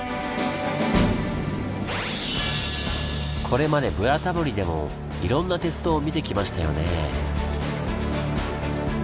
これまで「ブラタモリ」でもいろんな鉄道を見てきましたよねぇ。